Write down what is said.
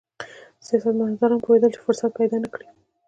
سیاستمداران پوهېدل چې فرصت پیدا نه کړي.